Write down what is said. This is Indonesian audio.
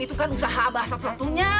itu kan usaha abah satu satunya